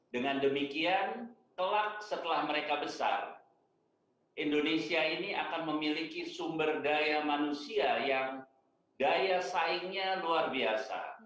dengan demikian telak setelah mereka besar indonesia ini akan memiliki sumber daya manusia yang daya saingnya luar biasa